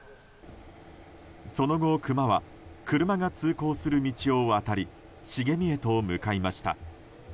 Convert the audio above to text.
その後、クマは車が通行する道へ渡り茂みへと向かいました。